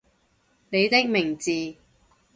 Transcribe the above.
你的名字